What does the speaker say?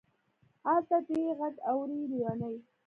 الته دې غږ اوري لېونۍ.